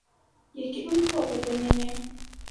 Які вам клопат да мяне!